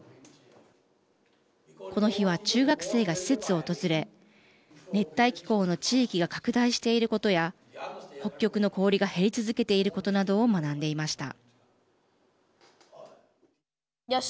この日は中学生が施設を訪れ熱帯気候の地域が拡大していることや北極の氷が減り続けていることなどを学んでいました。